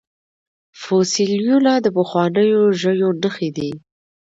فوسیلیونه د پخوانیو ژویو نښې دي